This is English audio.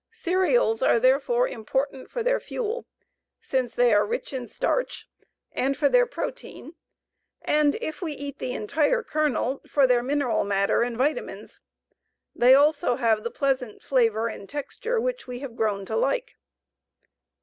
Cereals are therefore important for their fuel since they are rich in starch, and for their protein, and, if we eat the entire kernel, for their mineral matter and vitamines. They also have the pleasant flavor and texture which we have grown to like.